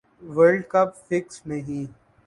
world cup fixed نہی